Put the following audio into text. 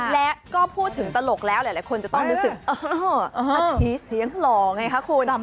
และก็พูดถึงตลกแล้วหลายคนจะต้องรู้สึกอาชีพเสียงหล่อไงคะคุณ